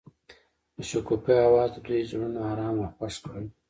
د شګوفه اواز د دوی زړونه ارامه او خوښ کړل.